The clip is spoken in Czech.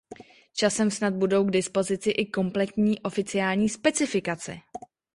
Časem snad budou k dispozici i kompletní oficiální specifikace.